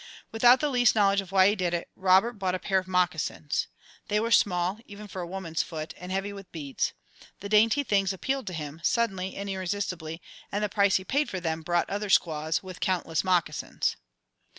Without the least knowledge of why he did it, Robert bought a pair of moccasins. They were small, even for a woman's foot, and heavy with beads. The dainty things appealed to him, suddenly and irresistibly, and the price he paid for them brought other squaws, with countless moccasins.